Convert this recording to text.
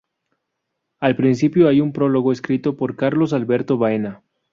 Al principio hay un prólogo escrito por Carlos Alberto Baena.